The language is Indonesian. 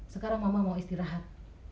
sekarang mama mau istirahat